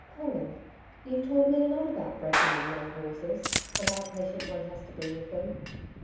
'Colin, you've told me a lot about breaking in young horses, and how patient one has to be with them.